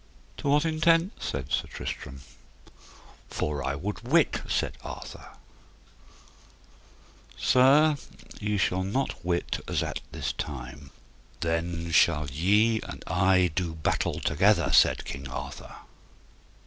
To what intent? said Sir Tristram. For I would wit, said Arthur. Sir, ye shall not wit as at this time. Then shall ye and I do battle together, said King Arthur.